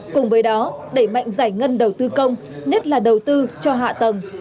cùng với đó đẩy mạnh giải ngân đầu tư công nhất là đầu tư cho hạ tầng